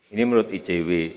ini menurut icw